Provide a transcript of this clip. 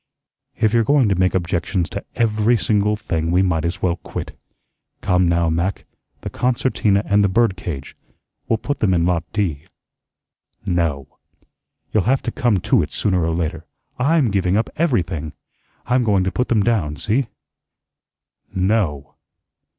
"If you're going to make objections to every single thing, we might as well quit. Come, now, Mac, the concertina and the bird cage. We'll put them in Lot D." "No." "You'll have to come to it sooner or later. I'M giving up everything. I'm going to put them down, see." "No."